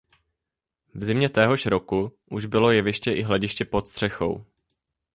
V zimě téhož roku už bylo jeviště i hlediště pod střechou.